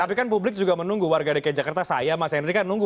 tapi kan publik juga menunggu warga dki jakarta saya mas henry kan nunggu